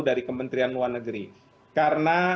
dari kementerian luar negeri karena